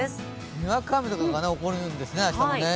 にわか雨などが起こるんですね、明日は。